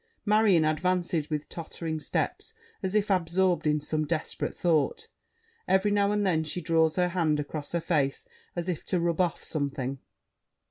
MARION (advances with tottering steps as if absorbed in some desperate thought. Every now and then she draws her hand across her face as if to rub off something).